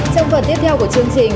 trong phần tiếp theo của chương trình